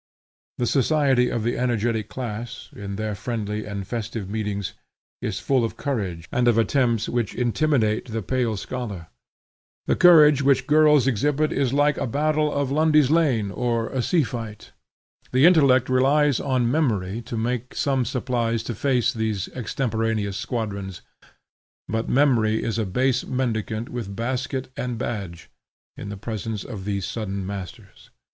The society of the energetic class, in their friendly and festive meetings, is full of courage and of attempts which intimidate the pale scholar. The courage which girls exhibit is like a battle of Lundy's Lane, or a sea fight. The intellect relies on memory to make some supplies to face these extemporaneous squadrons. But memory is a base mendicant with basket and badge, in the presence of these sudden masters.